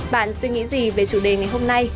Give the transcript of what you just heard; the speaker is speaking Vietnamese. bạn suy nghĩ gì về chủ đề ngày hôm nay